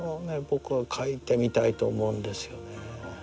僕は書いてみたいと思うんですよね。